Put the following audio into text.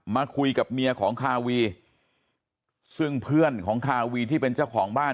มาคุยกับเมียของคาวีซึ่งเพื่อนของคาวีที่เป็นเจ้าของบ้าน